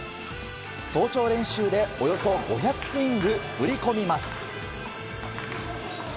早朝練習でおよそ５００スイング振り込みます。